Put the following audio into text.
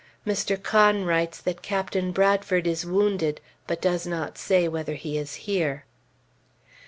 Mr. Conn writes that Captain Bradford is wounded, but does not say whether he is here.